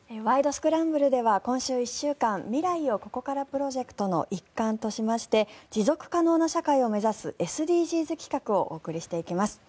スクランブル」では今週１週間未来をここからプロジェクトの一環としまして持続可能な社会を目指すＳＤＧｓ企画をお送りしていきます。